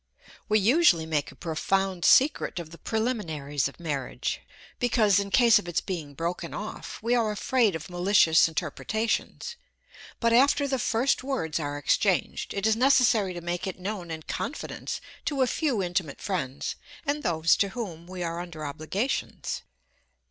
_ We usually make a profound secret of the preliminaries of marriage, because, in case of its being broken off, we are afraid of malicious interpretations; but, after the first words are exchanged, it is necessary to make it known in confidence to a few intimate friends, and those to whom we are under obligations.